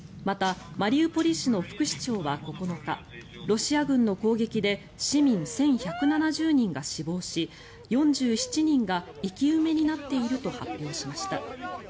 また、マリウポリ市の副市長は９日ロシア軍の攻撃で市民１１７０人が死亡し４７人が生き埋めになっていると発表しました。